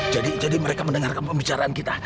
jadi jadi mereka mendengarkan pembicaraan kita